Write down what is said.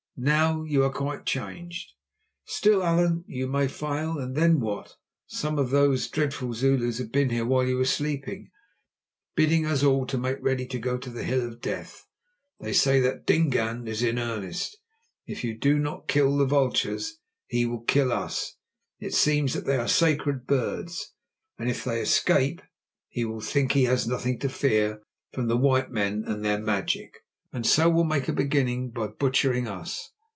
Now you are quite changed. Still, Allan, you may fail, and then—what? Some of those dreadful Zulus have been here while you were sleeping, bidding us all make ready to go to the Hill of Death. They say that Dingaan is in earnest. If you do not kill the vultures, he will kill us. It seems that they are sacred birds, and if they escape he will think he has nothing to fear from the white men and their magic, and so will make a beginning by butchering us.